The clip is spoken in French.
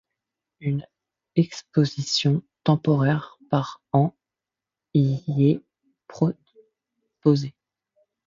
Une exposition temporaire par an y est proposée.